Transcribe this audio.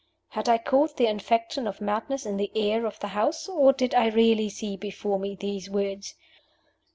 Had I caught the infection of madness in the air of the house? Or did I really see before me these words?